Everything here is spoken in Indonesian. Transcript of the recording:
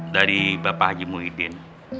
dari bapak haji mudin